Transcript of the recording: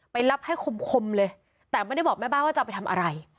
รับให้คมเลยแต่ไม่ได้บอกแม่บ้านว่าจะเอาไปทำอะไร